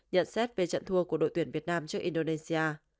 nhận xét về trận thua của đội tuyển việt nam trước indonesia